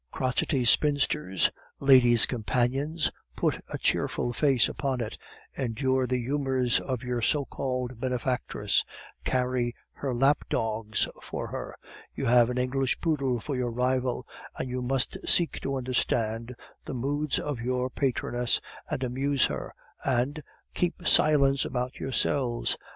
Crotchety spinsters, ladies' companions, put a cheerful face upon it, endure the humors of your so called benefactress, carry her lapdogs for her; you have an English poodle for your rival, and you must seek to understand the moods of your patroness, and amuse her, and keep silence about yourselves.